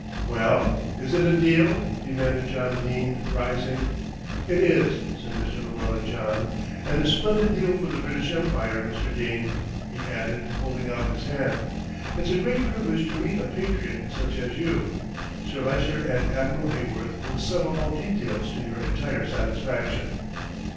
"Well, is it a deal?" demanded John Dene, rising. "It is," said Mr. Llewellyn John, "and a splendid deal for the British Empire, Mr. Dene," he added, holding out his hand. "It's a great privilege to meet a patriot such as you. Sir Lyster and Admiral Heyworth will settle all details to your entire satisfaction."